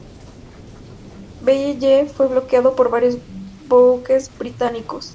Belle-Île fue bloqueado por varios buques británicos.